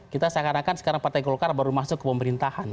kita seakan akan sekarang partai golkar baru masuk ke pemerintahan